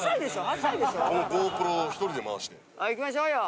行きましょうよ。